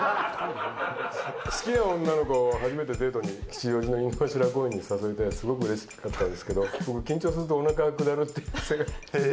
好きな女の子、初めてデートに、吉祥寺の井の頭公園に誘えて、すごくうれしかったんですけど、緊張するとおなかがくだる癖が。